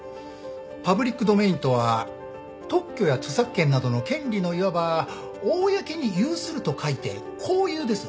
パブリックドメインとは特許や著作権などの権利のいわば「公に有する」と書いて公有です。